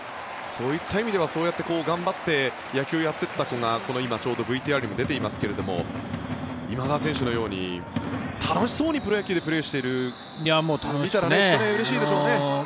そういった意味では頑張って野球をやっていった子が今、ちょうどＶＴＲにも出ていますが今川選手のように楽しそうにプロ野球でプレーしているのを見たらうれしいでしょうね。